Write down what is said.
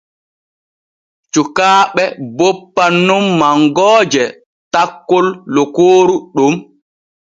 Cukaaɓe boppan nun mangooje takkol lokooru ɗon.